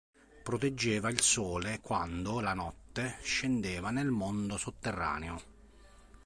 Proteggeva il sole quando, la notte, scendeva nel mondo sotterraneo.